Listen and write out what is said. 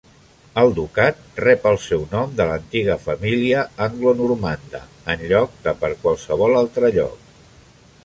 El ducat rep el seu nom de l'antiga família anglonormanda en lloc de per qualsevol altre lloc.